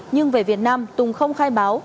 nhưng về việt nam tùng không khai báo